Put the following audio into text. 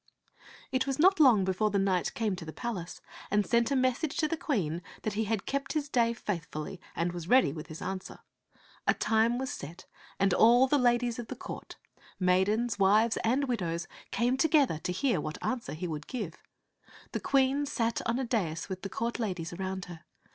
It was not long before the knight came to the palace, and sent a message to the Queen that he had kept his day faithfully and was ready with his answer. A time was set, and all the ladies of the court, maidens, wives. I20 ti}t 'TC^ife of (gat^'B tak and widows, came together to hear what answer he would give. The Queen sat on a dais with the court ladies around her.